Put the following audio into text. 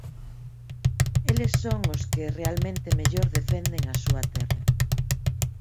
Eles son os que realmente mellor defenden a súa terra.